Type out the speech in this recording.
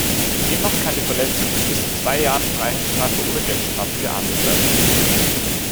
Demnach kann die Verletzung mit bis zu zwei Jahren Freiheitsstrafe oder Geldstrafe geahndet werden.